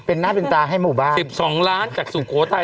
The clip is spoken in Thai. เป็นหน้าเป็นตาให้หมู่บ้าน๑๒ล้านจากสุโขทัย